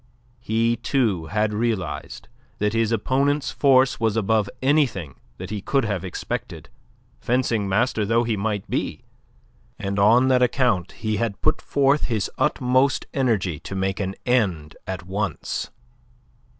He, too, had realized that his opponent's force was above anything that he could have expected, fencing master though he might be, and on that account he had put forth his utmost energy to make an end at once.